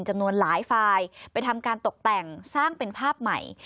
จำนวนหลายฝ่ายไปทำการตกแต่งสร้างเป็นภาพใหม่